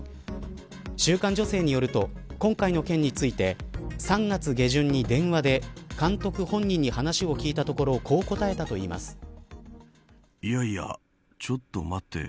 週刊女性によると今回の件について３月下旬に電話で監督本人に話を聞いたところこう答えたといいます。